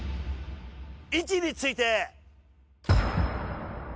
位置について。